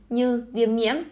như viêm nhiễm